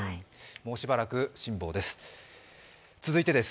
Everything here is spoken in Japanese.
もうしばらく辛抱です。